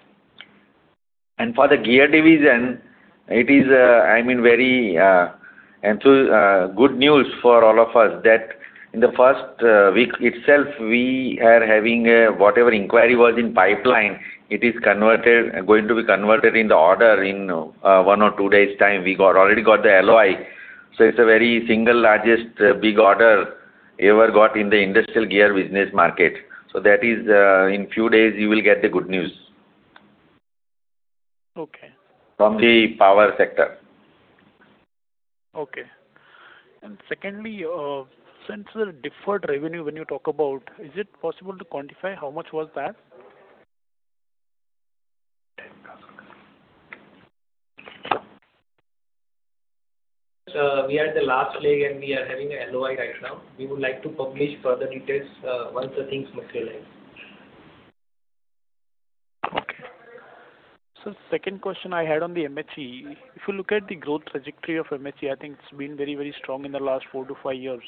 For the gear division, it is very good news for all of us that in the first week itself, we are having whatever inquiry was in pipeline. It is going to be converted into the order in one or two days' time. We already got the LOI. It's a very single largest big order ever got in the industrial gear business market. That is, in few days, you will get the good news. Okay. From the power sector. Okay. Secondly, since the deferred revenue when you talk about, is it possible to quantify how much was that? Sir, we are at the last leg and we are having a LOI right now. We would like to publish further details once the things materialize. Okay. Sir, second question I had on the MHE. If you look at the growth trajectory of MHE, I think it's been very strong in the last four to five years.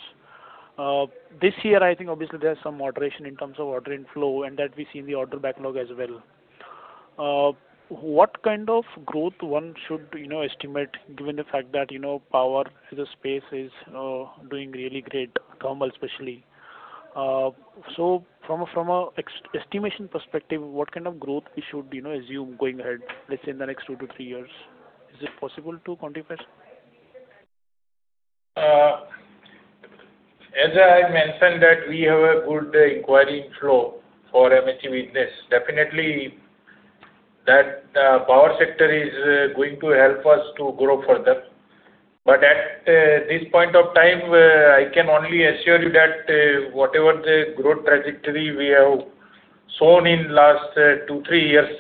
This year, I think obviously there's some moderation in terms of order inflow, and that we see in the order backlog as well. What kind of growth one should estimate given the fact that power as a space is doing really great, thermal especially. From an estimation perspective, what kind of growth we should assume going ahead, let's say in the next two to three years? Is it possible to quantify, sir? As I mentioned that we have a good inquiry inflow for MHE business. Definitely, that power sector is going to help us to grow further. At this point of time, I can only assure you that whatever the growth trajectory we have shown in last two, three years,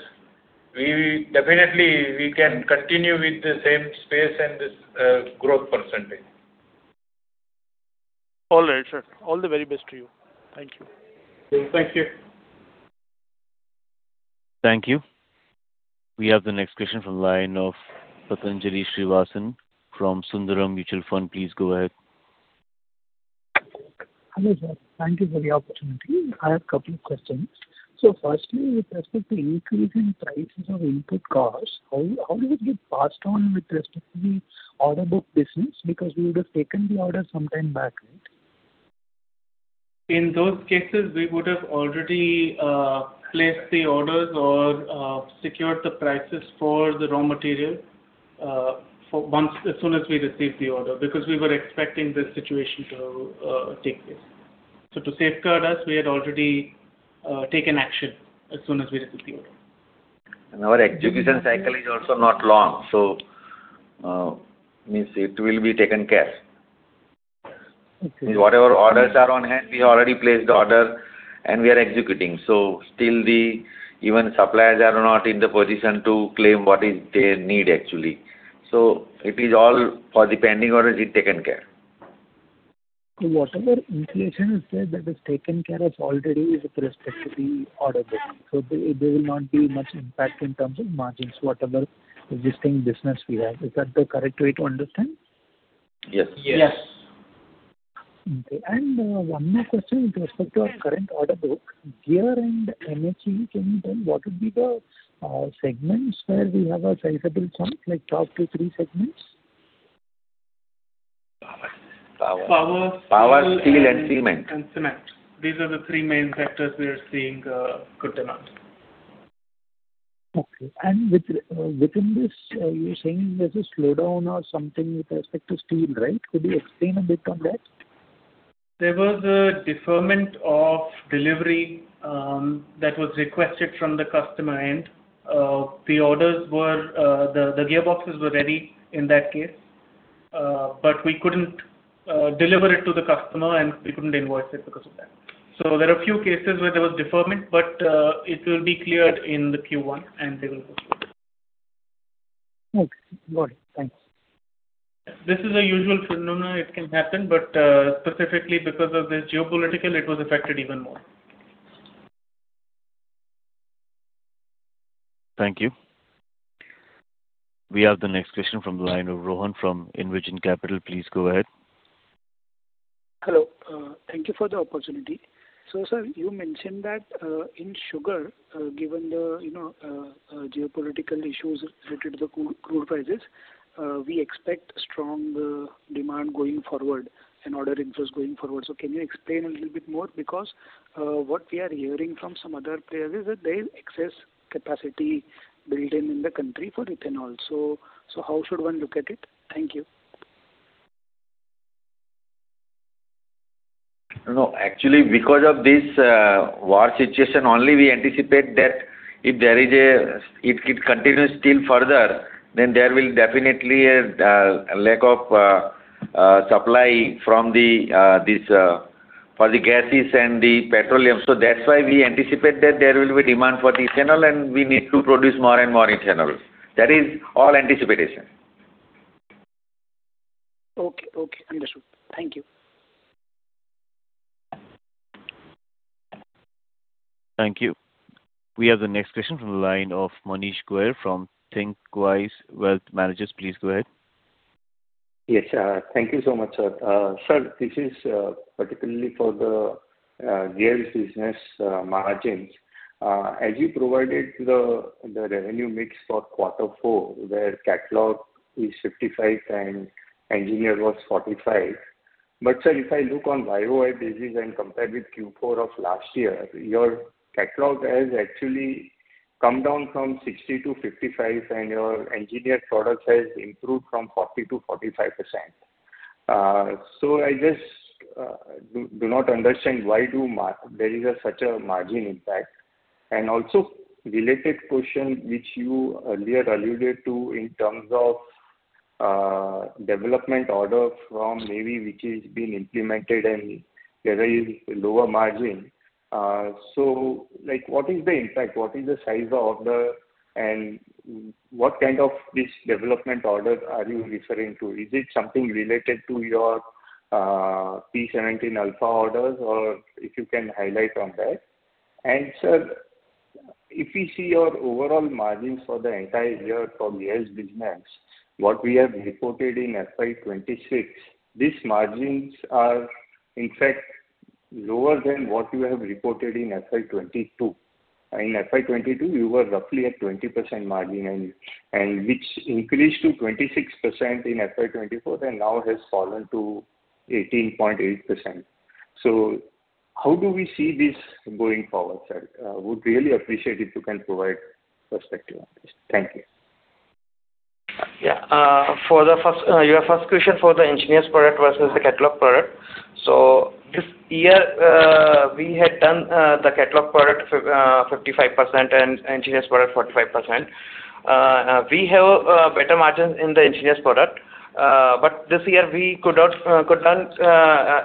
definitely we can continue with the same pace and this growth percentage. All right, sir. All the very best to you. Thank you. Thank you. Thank you. We have the next question from the line of Pathanjali Srinivasan from Sundaram Mutual Fund. Please go ahead. Hello, sir. Thank you for the opportunity. I have couple of questions. Firstly, with respect to increasing prices of input costs, how does it get passed on with respect to the order book business? Because you would have taken the order sometime back, right? In those cases, we would have already placed the orders or secured the prices for the raw material as soon as we received the order, because we were expecting this situation to take place. To safeguard us, we had already taken action as soon as we received the order. Our execution cycle is also not long, so it means it will be taken care. Okay. Whatever orders are on hand, we already placed the order and we are executing. Still, even suppliers are not in the position to claim what they need actually. It is all, for the pending orders, is taken care. Whatever inflation is there, that is taken care of already with respect to the order book. There will not be much impact in terms of margins, whatever existing business we have. Is that the correct way to understand? Yes. Yes. Okay. One more question with respect to our current order book, Gear and MHE, can you tell what would be the segments where we have a sizable chunk, like top two, three segments? Power. Power. Power, steel and cement. Cement. These are the three main sectors we are seeing good demand. Okay. Within this, you were saying there's a slowdown or something with respect to steel, right? Could you explain a bit on that? There was a deferment of delivery that was requested from the customer end. The gearboxes were ready in that case, but we couldn't deliver it to the customer, and we couldn't invoice it because of that. There are few cases where there was deferment, but it will be cleared in the Q1 and they will proceed. Okay, got it. Thanks. This is a usual phenomenon. It can happen, but specifically because of this geopolitical, it was affected even more. Thank you. We have the next question from the line of Rohan from Envision Capital. Please go ahead. Hello. Thank you for the opportunity. Sir, you mentioned that in sugar, given the geopolitical issues related to the crude prices, we expect strong demand going forward and order interest going forward. Can you explain a little bit more? Because what we are hearing from some other players is that there is excess capacity built in the country for ethanol. How should one look at it? Thank you. No, actually, because of this war situation only, we anticipate that if it continues still further, then there will definitely a lack of supply for the gases and the petroleum. That's why we anticipate that there will be demand for the ethanol and we need to produce more and more ethanol. That is all anticipation. Okay. Understood. Thank you. Thank you. We have the next question from the line of Manish Goyal from Thinqwise Wealth Managers. Please go ahead. Yes. Thank you so much, sir. Sir, this is particularly for the Gears business margins. As you provided the revenue mix for quarter four, where catalog is 55% and engineered was 45%. Sir, if I look on YoY basis and compare with Q4 of last year, your catalog has actually come down from 60%-55%, and your engineered products has improved from 40%-45%. I just do not understand why there is such a margin impact. Also, related question which you earlier alluded to in terms of development order from Navy, which is being implemented and there is lower margin. What is the impact? What is the size of order and what kind of this development order are you referring to? Is it something related to your P-17A orders or if you can highlight on that. Sir, if we see your overall margins for the entire year for gears business, what we have reported in FY 2026, these margins are in fact lower than what you have reported in FY 2022. In FY 2022, you were roughly at 20% margin, which increased to 26% in FY 2024, and now has fallen to 18.8%. How do we see this going forward, sir? Would really appreciate if you can provide perspective on this. Thank you. Yeah. Your first question for the engineered product versus the catalog product. This year, we had done the catalog product 55% and engineered product 45%. We have better margins in the engineered product. This year we couldn't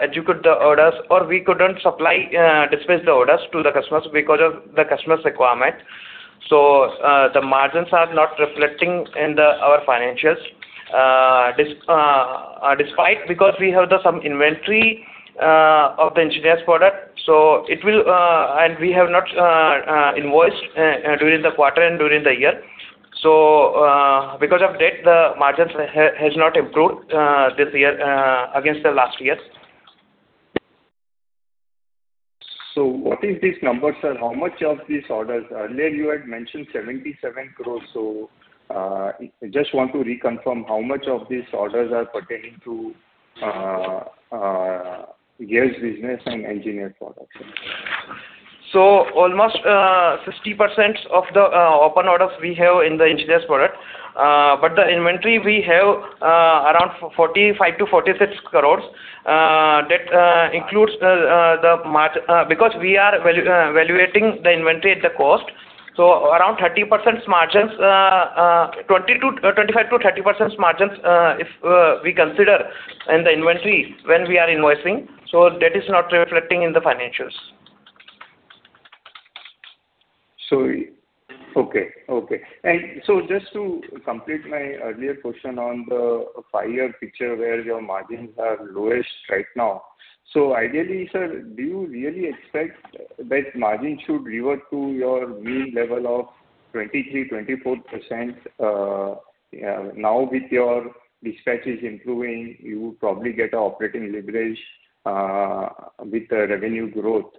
execute the orders, or we couldn't supply, dispatch the orders to the customers because of the customer's requirement. The margins are not reflecting in our financials, because we have some inventory of the engineered product, and we have not invoiced during the quarter and during the year. Because of that, the margin has not improved this year against the last year. What is this number, sir? How much of these orders? Earlier you had mentioned 77 crore, so just want to reconfirm how much of these orders are pertaining to Gears business and engineered products. Almost 60% of the open orders we have in the engineers product. The inventory we have around 45 crore-46 crore. That includes the margin. Because we are valuing the inventory at the cost, so around 30% margins, 25%-30% margins, if we consider in the inventory when we are invoicing, so that is not reflecting in the financials. Okay. Just to complete my earlier question on the five-year picture where your margins are lowest right now. Ideally, sir, do you really expect that margin should revert to your mean level of 23%-24%? Now with your dispatches improving, you would probably get a operating leverage with the revenue growth.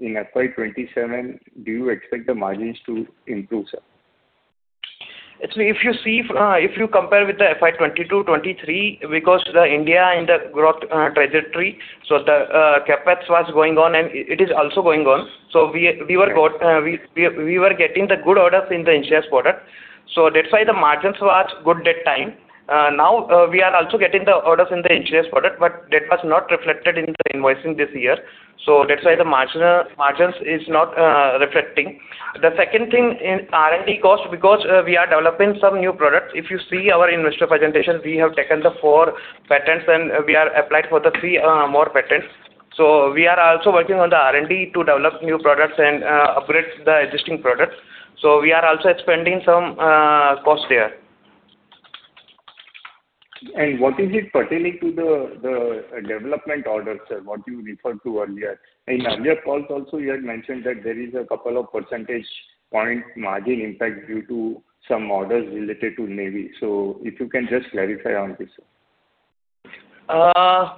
In FY 2027, do you expect the margins to improve, sir? If you compare with the FY 2022, 2023, because India is in the growth trajectory, the CapEx was going on and it is also going on. We were getting the good orders in the engineering products. That's why the margins were good that time. We are also getting the orders in the engineering products, but that was not reflected in the invoicing this year. That's why the margins is not reflecting. The second thing, in R&D cost, because we are developing some new products. If you see our investor presentation, we have taken the four patents and we have applied for the three more patents. We are also working on the R&D to develop new products and upgrade the existing products. We are also expending some cost there. What is it pertaining to the development order, sir, what you referred to earlier? In earlier calls also, you had mentioned that there is a couple of percentage point margin impact due to some orders related to Navy. If you can just clarify on this?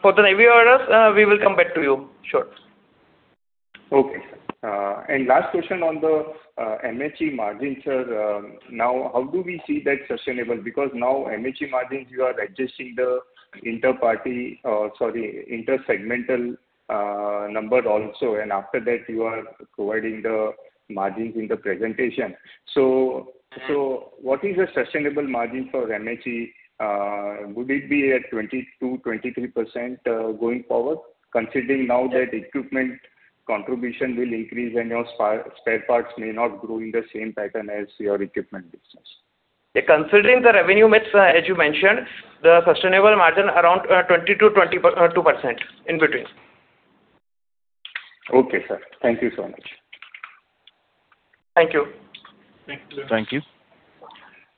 For the Navy orders, we will come back to you. Sure. Okay, sir. Last question on the MHE margins, sir. Now, how do we see that sustainable? Because now MHE margins, you are adjusting the intersegmental number also, and after that you are providing the margins in the presentation. What is the sustainable margin for MHE? Would it be at 22%-23%, going forward, considering now that equipment contribution will increase and your spare parts may not grow in the same pattern as your equipment business? Considering the revenue mix, as you mentioned, the sustainable margin around 20%-22%, in between. Okay, sir. Thank you so much. Thank you. Thank you. Thank you.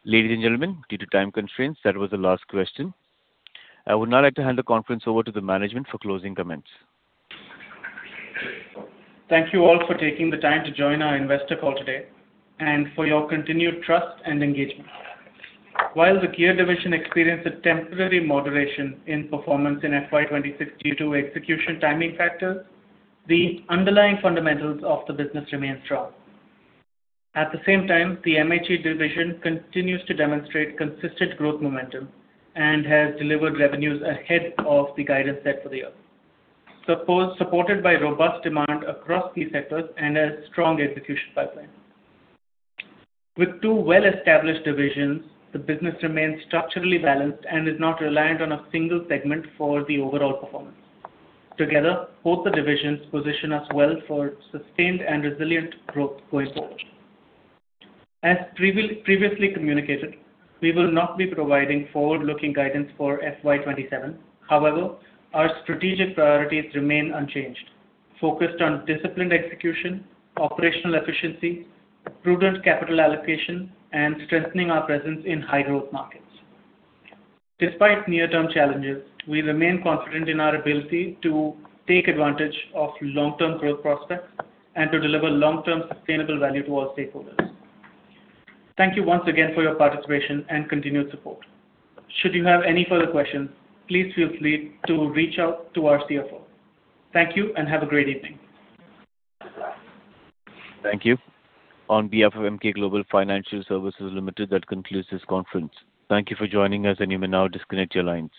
Ladies and gentlemen, due to time constraints, that was the last question. I would now like to hand the conference over to the management for closing comments. Thank you all for taking the time to join our investor call today, and for your continued trust and engagement. While the gear division experienced a temporary moderation in performance in FY 2026 due to execution timing factors, the underlying fundamentals of the business remain strong. At the same time, the MHE division continues to demonstrate consistent growth momentum and has delivered revenues ahead of the guidance set for the year, supported by robust demand across key sectors and a strong execution pipeline. With two well-established divisions, the business remains structurally balanced and is not reliant on a single segment for the overall performance. Together, both the divisions position us well for sustained and resilient growth going forward. As previously communicated, we will not be providing forward-looking guidance for FY 2027. However, our strategic priorities remain unchanged, focused on disciplined execution, operational efficiency, prudent capital allocation, and strengthening our presence in high growth markets. Despite near-term challenges, we remain confident in our ability to take advantage of long-term growth prospects and to deliver long-term sustainable value to our stakeholders. Thank you once again for your participation and continued support. Should you have any further questions, please feel free to reach out to our CFO. Thank you, and have a great evening. Thank you. On behalf of Emkay Global Financial Services Limited, that concludes this conference. Thank you for joining us and you may now disconnect your lines.